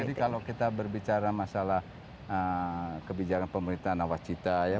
betul jadi kalau kita berbicara masalah kebijakan pemerintahan nawas cita ya